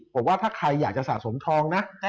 ผมว่าถ้าใครอยากจะสะสมทองนะ